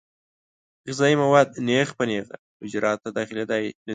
غذایي مواد نېغ په نېغه حجراتو ته داخلېدای نشي.